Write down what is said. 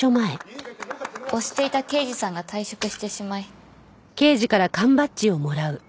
推していた刑事さんが退職してしまい。